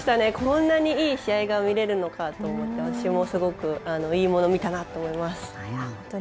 こんなにいい試合が見せるのかと私もすごくいいものを見たなと思います。